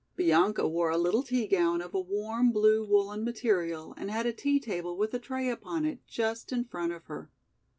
Bianca wore a little tea gown of a warm blue woolen material and had a tea table with a tray upon it just in front of her.